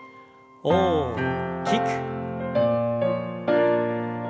大きく。